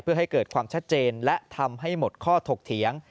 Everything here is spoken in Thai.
เพื่อให้เกิดความชัดเจนและทำให้หมดข้อถกเถียง